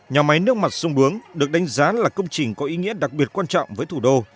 nhà máy nước mặt sông đuống được đánh giá là công trình có ý nghĩa đặc biệt quan trọng với thủ đô